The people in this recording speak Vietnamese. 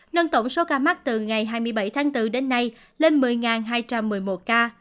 nâng tổng số ca mắc từ ngày hai mươi bảy tháng bốn đến nay lên một mươi hai trăm một mươi một ca